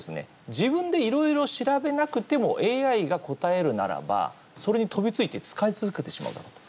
自分でいろいろ調べなくてもＡＩが答えるならばそれに飛びついて使い続けてしまうだろうと。